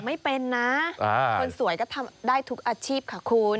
ไม่เป็นนะคนสวยก็ทำได้ทุกอาชีพค่ะคุณ